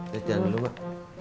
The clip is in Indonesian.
ditekan dulu mbak